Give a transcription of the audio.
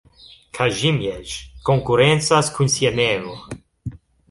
Kazimierz konkurencas kun sia nevo.